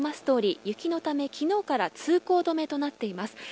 とおり雪のため昨日から通行止めとなっています。